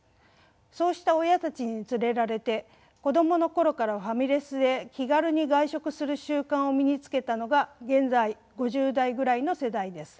そうした親たちに連れられて子どもの頃からファミレスで気軽に外食する習慣を身につけたのが現在５０代ぐらいの世代です。